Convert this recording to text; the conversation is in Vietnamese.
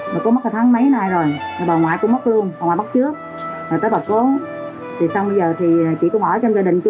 giờ con phải lo bản thân cho mình